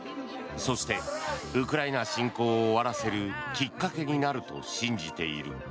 そして、ウクライナ侵攻を終わらせるきっかけになると信じている。